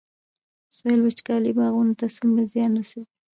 د سویل وچکالي باغونو ته څومره زیان رسوي؟